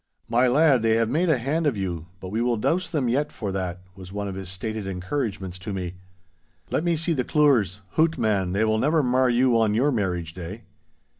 'My lad, they have made a hand of you, but we will dowse them yet for that!' was one of his stated encouragements to me. 'Let me see the clours—hoot, man, they will never mar you on your marriage day!